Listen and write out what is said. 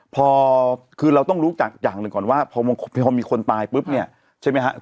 พอคือเราต้องรู้จักอย่างหนึ่งก่อนว่าพอมีคนตายปุ๊บเนี่ยใช่ไหมครับ